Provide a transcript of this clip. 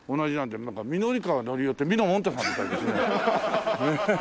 なんか御法川法男ってみのもんたさんみたいですね。